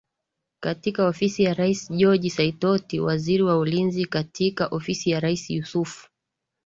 katika Ofisi ya Rais George Saitoti Waziri wa ulinzi katika Ofisi ya Rais Yussuf